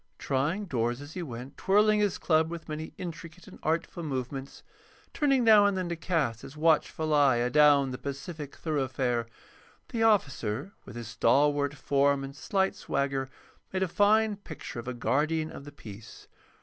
Trying doors as he went, twirling his club with many intricate and artful movements, turning now and then to cast his watchful eye adown the pacific thoroughfare, the officer, with his stalwart form and slight swagger, made a fine picture of a guardian of the peace.